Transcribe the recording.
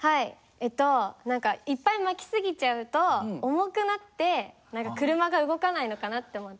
えっと何かいっぱい巻き過ぎちゃうと重くなって車が動かないのかなって思ったのと。